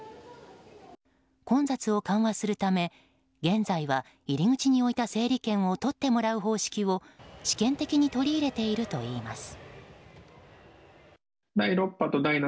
混雑を緩和するため現在は、入り口に置いた整理券を取ってもらう方式を試験的に取り入れているといいます。